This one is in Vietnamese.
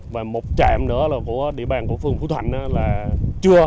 và một trạm nữa là của địa bàn của phương phú thành là chưa